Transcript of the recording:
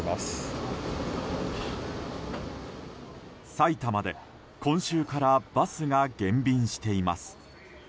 埼玉で、今週からバスが減便しています。